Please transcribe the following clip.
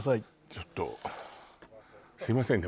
ちょっとすいませんね